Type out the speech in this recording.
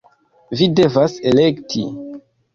Vi devas elekti!